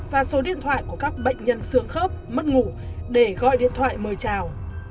và số điện thoại của các bệnh nhân xương khớp mất ngủ để gọi điện thoại mời chào